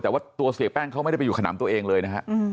แต่ว่าตัวเสียแป้งเขาไม่ได้ไปอยู่ขนำตัวเองเลยนะฮะ